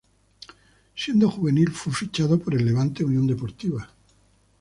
Siendo juvenil fue fichado por el Levante Unión Deportiva.